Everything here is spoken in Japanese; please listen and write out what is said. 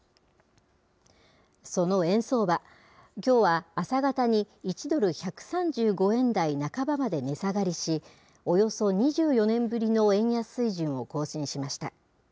その円相場、きょうは朝方に、１ドル１３５円台半ばまで値下がりし、およそ２４年ぶりの円安水準を更新しました。